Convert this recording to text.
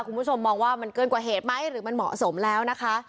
คุณผู้ชมมองว่ามันเกินกว่าเหตุไหมหรือมันเหมาะสมแล้วนะคะ